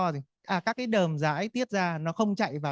các cái đờm rãi tiết ra nó không chạy vào